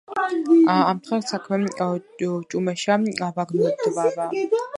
ამდღარ საქმე ჭუმეშა ვაგნოდვავა